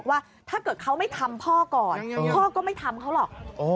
ว่าถ้าเกิดเขาไม่ทำพ่อก่อนพ่อก็ไม่ทำเขาหรอก